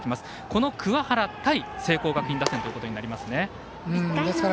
この桑原対聖光学院打線ということになりますね。